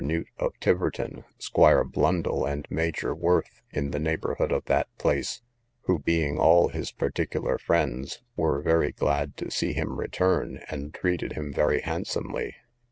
Newt, of Tiverton, Squire Blundel, and Major Worth, in the neighbourhood of that place, who, being all his particular friends, were very glad to see him return, and treated him very handsomely.